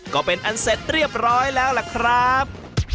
ก็เป็นอันเสร็จเรียบร้อยแล้วล่ะครับ